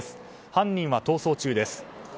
犯人は逃走中です。